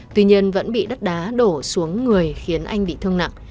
tuy nhiên vẫn bị đất đá đổ xuống người khiến anh bị thương nặng